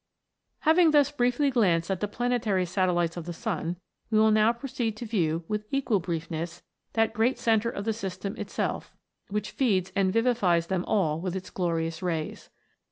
Having thus briefly glanced at the planetary satel lites of the sun, we will now proceed to view, with equal briefness, that great centre of the system itself, which feeds and vivifies them all with its glorious rays.